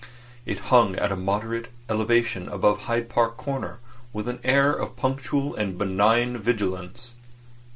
It hung at a moderate elevation above Hyde Park Corner with an air of punctual and benign vigilance.